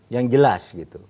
yang jelas gitu